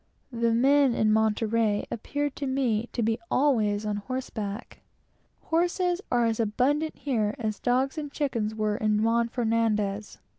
The men in Monterey appeared to me to be always on horseback. Horses are as abundant here as dogs and chickens were in Juan Fernandez.